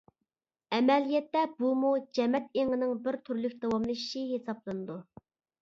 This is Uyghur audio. ئەمەلىيەتتە بۇمۇ جەمەت ئېڭىنىڭ بىر تۈرلۈك داۋاملىشىشى ھېسابلىنىدۇ.